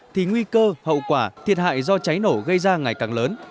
thì nguy cơ hậu quả thiệt hại do cháy nổ gây ra ngày càng lớn